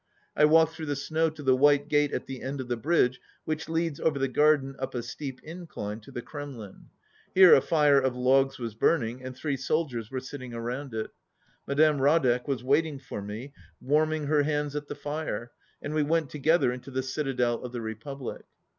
I walked through the snow to the white gate at the end of the bridge which leads over the garden up a steep incline to the Kremlin. Here a fire of logs was burning, and three soldiers were sitting around it. Madame Radek was waiting for me, warming her hands at the fire, and we went together into the citadel of the republic.